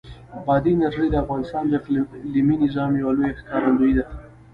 بادي انرژي د افغانستان د اقلیمي نظام یوه لویه ښکارندوی ده.